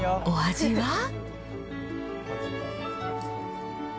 お味は？